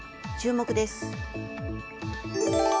注目です。